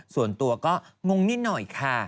ส่วนตัวก็งงนิดหน่อยค่ะ